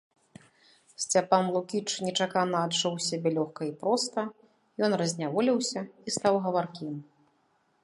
Сцяпан Лукіч нечакана адчуў сябе лёгка і проста, ён разняволіўся і стаў гаваркім.